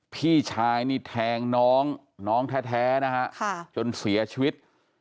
พี่ชายแทงน้องแท้จนเสียชีวิต